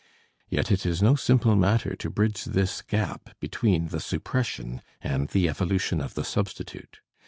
Yet it is no simple matter to bridge this gap between the suppression and the evolution of the substitute.